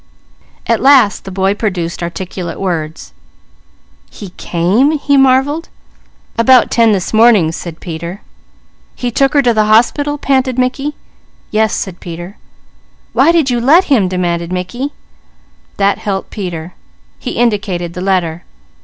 At last the boy produced articulate words. "He came?" he marvelled. "About ten this morning," said Peter. "He took her to the hospital?" panted Mickey. "Yes," said Peter. "Why did you let him?" demanded Mickey. That helped Peter. He indicated the letter.